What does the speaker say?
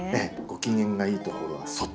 ご機嫌がいいところは外。